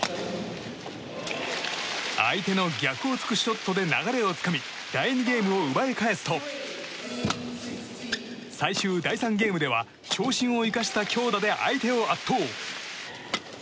相手の逆を突くショットで流れをつかみ第２ゲームを奪い返すと最終第３ゲームでは長身を生かした強打で相手を圧倒！